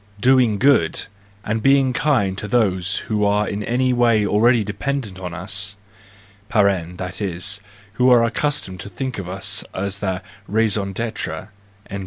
Doing good and being kind to those who are in any way already dependent on us (that is, who are accustomed to think of us as their raison d?